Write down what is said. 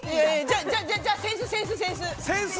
◆じゃあ、扇子、扇子、扇子。